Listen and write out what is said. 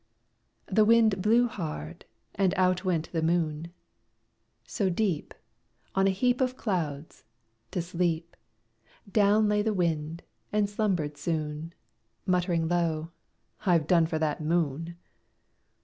The Wind blew hard, and out went the Moon. So deep, On a heap Of clouds, to sleep, Down lay the Wind, and slumbered soon Muttering low, "I've done for that Moon."